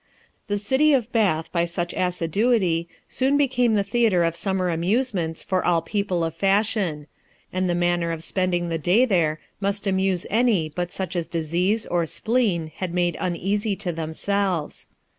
The city of Bath, by such assiduity, soon became the theatre of summer amusements for all people of fashion ; and the manner of spending the day there must amuse any but such as disease or spleen had made uneasy to themselves.